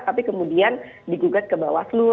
tapi kemudian digugat ke bawah seluruh